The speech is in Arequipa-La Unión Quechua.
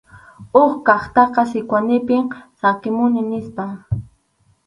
Huk kaqtaqa Sikwanipim saqimuni nispa.